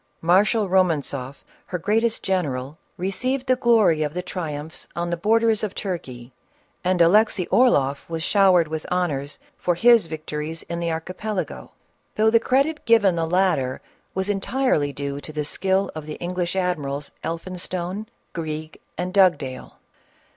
Marshal Roman tzoff, her greatest general, received the glory of the triumphs on the borders of Turkey, and Alexcy Orloff was showered with honors for his victo ries in the Archipelago, though the credit given the 426 CATHERINE OF RUSSIA. latter was entirely due to the skill of the English admi rals, Elphinstone, Greig, and Dugdale.